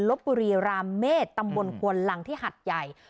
ลบบุรีรามเมษตำบลควนลังที่หัดใหญ่